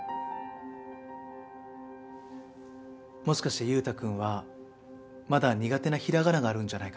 もしかして優太くんはまだ苦手なひらがながあるんじゃないかな？